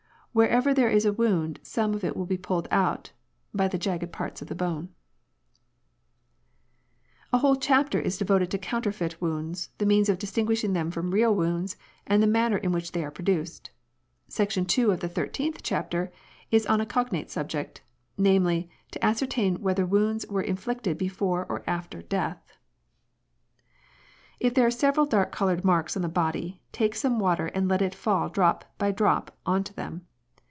Wherever there is a wound some will be pulled out [by the jagged parts of the bone]." A whole chapter is devoted to counterfeit wounds, the means of distinguishing them from real wounds, and the manner in which they are produced. Section 2 of the thirteenth chapter is on a cognate subject, namely, to ascertain whether wounds were inflicted before or after death :—" If there are several dark coloured marks on the body, take some water and let it fall drop by drop on to them.